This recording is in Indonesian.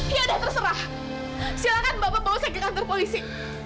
iya dah terserah silahkan bapak bawa saya ke kantor polisi